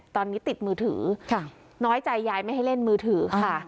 ตอนนี้ติดมือถือน้อยใจยายไม่ให้เล่นมือถือค่ะ